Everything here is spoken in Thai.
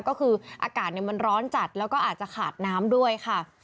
ก็คืออากาศมันร้อนจัดแล้วก็อาจจะขาดน้ำด้วยค่ะ